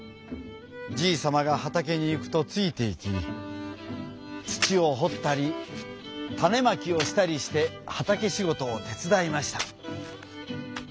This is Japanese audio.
じいさまがはたけにいくとついていきつちをほったりたねまきをしたりしてはたけしごとをてつだいました。